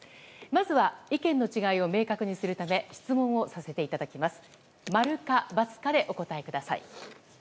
まずは意見の違いを明確にするため質問をさせていただきます。